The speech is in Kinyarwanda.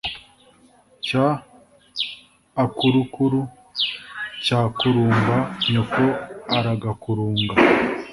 cy akurukuru cya kurumba nyoko aragakurunga